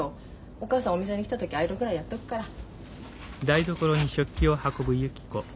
お母さんお店に来た時アイロンくらいやっとくから。